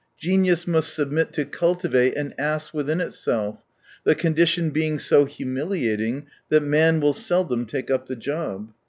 Genius must submit to cultivate an ass within itself — the condition being so humili ating that man will seldom take up the job.